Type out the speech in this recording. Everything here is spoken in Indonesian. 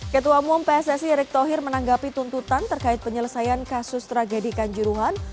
ketua umum pssi erick thohir menanggapi tuntutan terkait penyelesaian kasus tragedi kanjuruhan